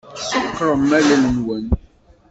Ṣekkṛem allen-nwen.